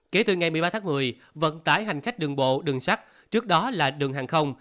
kể từ ngày một mươi ba tháng một mươi vận tải hành khách đường bộ đường sắt trước đó là đường hàng không